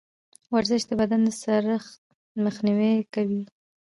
ورزش د بدن د سړښت مخنیوی کوي.